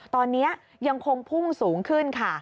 ตอนนี้ยังคงพุ่งสูงขึ้นค่ะ